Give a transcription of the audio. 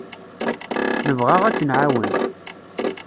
Nebɣa ad k-nɛawen.